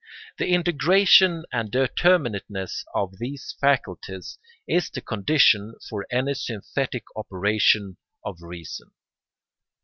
The integration and determinateness of these faculties is the condition for any synthetic operation of reason.